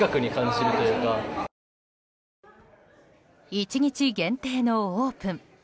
１日限定のオープン。